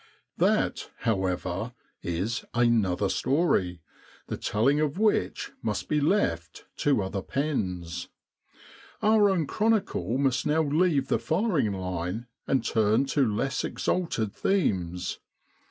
v That, however, is "another story/' the telling of which must be left to other pens. Our own chronicle must now leave the firing line and turn to less exalted themes.